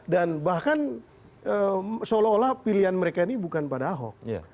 dan bahkan seolah olah pilihan mereka ini bukan pada ahok